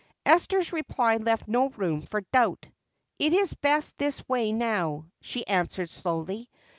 Esther's reply left no room for doubt. "It is best this way now," she answered slowly.